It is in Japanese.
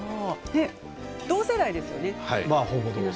同世代ですよね。